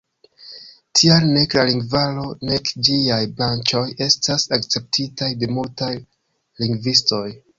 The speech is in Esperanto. Tial nek la lingvaro, nek ĝiaj branĉoj, estas akceptitaj de multaj lingvistoj.